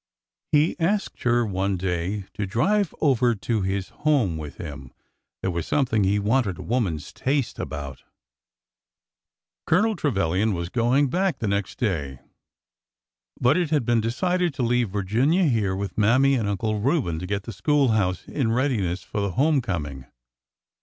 He asked her one day to drive over to his home with him,— there was something he wanted a woman's taste about. Colonel Trevilian was going back the next day, but it had been decided to leave Virginia here with Mammy and Uncle Reuben to get the school house in readiness for the home coming.